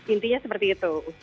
intinya seperti itu